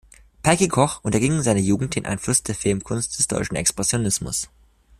Pyke Koch unterging in seiner Jugend den Einfluss der Filmkunst des deutschen Expressionismus.